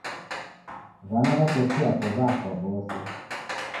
W'ana w'a koshi yapo w'afwa w'ose